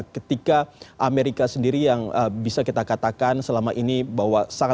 ketika amerika sendiri yang bisa kita katakan selama ini bahwa sangat